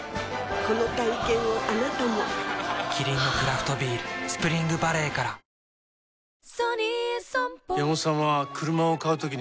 この体験をあなたもキリンのクラフトビール「スプリングバレー」から「言葉はまるで雪の結晶」